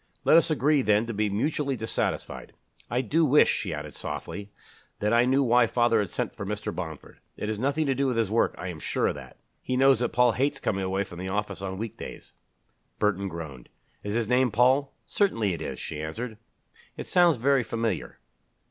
"Let us agree, then, to be mutually dissatisfied. I do wish," she added softly, "that I knew why father had sent for Mr. Bomford. It is nothing to do with his work, I am sure of that. He knows that Paul hates coming away from the office on week days." Burton groaned. "Is his name Paul?" "Certainly it is," she answered. "It sounds very familiar."